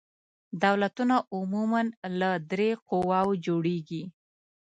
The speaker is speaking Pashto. دولتونه عموماً له درې قواوو جوړیږي.